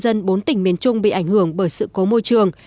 dân bốn tỉnh miền trung bị ảnh hưởng bởi sự cố môi trường